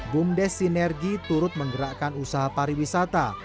bumdes sinergi turut menggerakkan usaha pariwisata